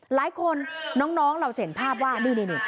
หลายคนน้องเราจะเห็นภาพว่านี่